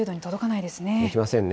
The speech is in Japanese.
いきませんね。